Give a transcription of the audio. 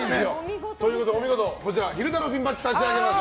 お見事昼太郎ピンバッジ差し上げます。